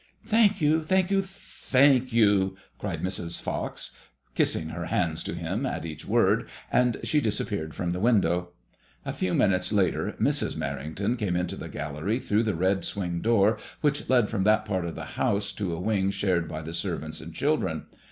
"Thank you, thank you, thank you," cried Mrs. Fox, kissing her hands to him at each word, and she disappeared from the window. A few minutes later, Mrs. Merrington came into the gallery through the red swing door which led from that part of the house to a wing shared by the servants and children.